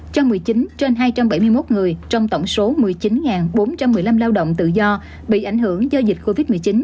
cho một mươi chín trên hai trăm bảy mươi một người trong tổng số một mươi chín bốn trăm một mươi năm lao động tự do bị ảnh hưởng do dịch covid một mươi chín